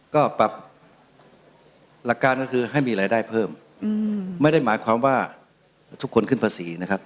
ก็ปรับหลักการก็คือให้มีรายได้เพิ่มไม่ได้หมายความว่าทุกคนขึ้นภาษีนะครับ